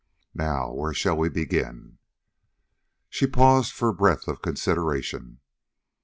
Now, where shall we begin?" She paused for breath of consideration.